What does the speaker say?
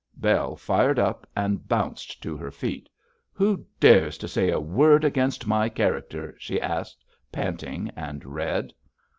Bell fired up, and bounced to her feet. 'Who dares to say a word against my character?' she asked, panting and red.